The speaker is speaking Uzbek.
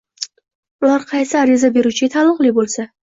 ular qaysi ariza beruvchiga taalluqli bo‘lsa